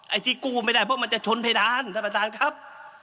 ไอ้ที่กู้ไม่ได้มันจะชนเพดานท่านผ่านตอบครับ